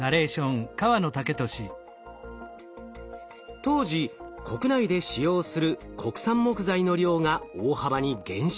当時国内で使用する国産木材の量が大幅に減少。